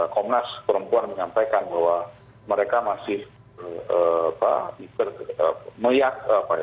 komnas perempuan menyampaikan bahwa mereka masih meyak